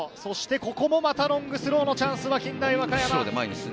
ここでまたロングスローのチャンス、近大和歌山。